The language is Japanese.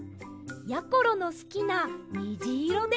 やころのすきなにじいろです。